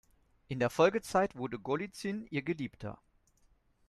In der Folgezeit wurde Golizyn ihr Geliebter.